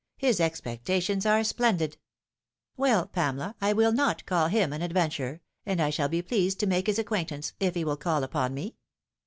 His expectations are splendid/' " Well, Pamela, I will not call him an adventurer, and I shall be pleased to make his acquaintance, if he will caJl upon e."